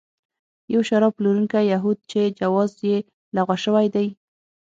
یو شراب پلورونکی یهود چې جواز یې لغوه شوی دی.